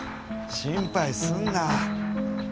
心配すんな。